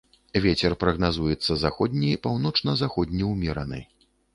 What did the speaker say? Вецер прагназуецца заходні, паўночна-заходні ўмераны.